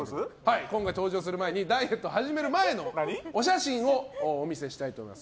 今回、登場する前にダイエット始める前のお写真をお見せしたいと思います。